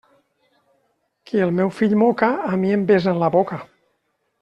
Qui el meu fill moca, a mi em besa en la boca.